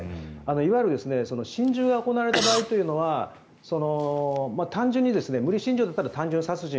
いわゆる心中が行われた場合は単純に無理心中だったら単純殺人